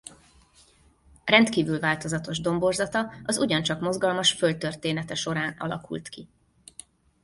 Rendkívül változatos domborzata az ugyancsak mozgalmas földtörténete során alakult ki.